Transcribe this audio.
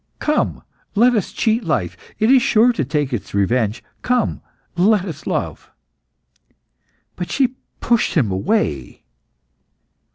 "Come, let us cheat life it is sure to take its revenge. Come, let us love!" But she pushed him away.